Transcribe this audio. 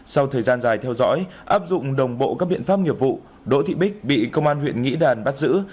sau thời gian dài theo dõi áp dụng đồng bộ các biện pháp nghiệp vụ đỗ thị bích bị công an huyện nghĩa đàn bắt giữ